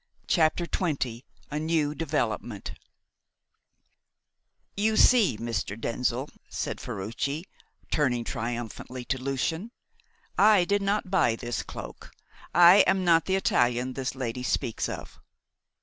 CHAPTER XX A NEW DEVELOPMENT "You see, Mr. Denzil," said Ferruci, turning triumphantly to Lucian, "I did not buy this cloak; I am not the Italian this lady speaks of."